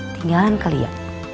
tinggalan kali ya